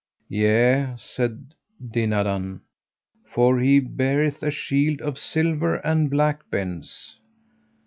Yea, said Dinadan, for he beareth a shield of silver and black bends.